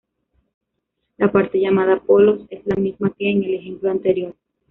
La parte llamada "polos" es la misma que en el ejemplo anterior.